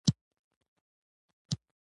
د سولې راتګ ټولنه له کړاوونو ژغوري.